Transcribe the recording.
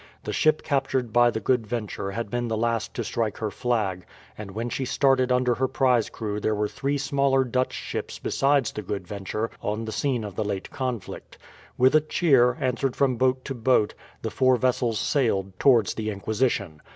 The ship captured by the Good Venture had been the last to strike her flag, and when she started under her prize crew there were three smaller Dutch ships besides the Good Venture on the scene of the late conflict. With a cheer, answered from boat to boat, the four vessels sailed towards the Inquisition.